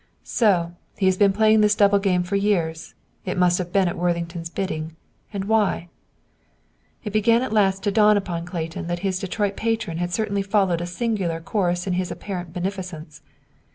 "So, he has been playing this double game for years; it must have been at Worthington's bidding. And why?" It began to dawn at last upon Clayton that his Detroit patron had certainly followed a singular course in his apparent beneficence.